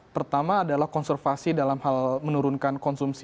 pertama adalah konservasi dalam hal menurunkan konsumsi